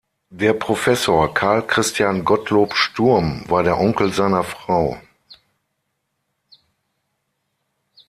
Der Professor Karl Christian Gottlob Sturm war der Onkel seiner Frau.